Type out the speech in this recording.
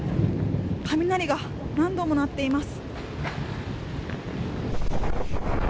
雷が何度も鳴っています。